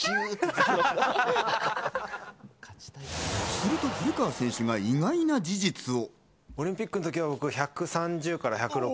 すると古川選手が意外な事実を。